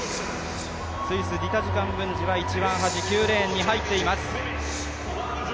スイス、ディタジ・カンブンジ、一番端、９レーンに入っています。